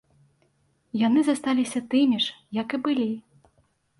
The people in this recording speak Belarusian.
Яны засталіся тымі ж, як і былі.